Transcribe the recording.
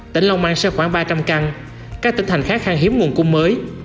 tỉnh long an sẽ khoảng ba trăm linh căn các tỉnh thành khác khang hiếm nguồn cung mới